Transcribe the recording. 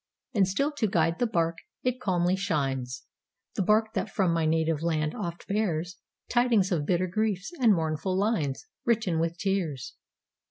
And still to guide the barque it calmly shines,—The barque that from my native land oft bearsTidings of bitter griefs, and mournful linesWritten with tears.